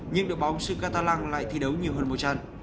nhưng đội bóng sucatalan lại thi đấu nhiều hơn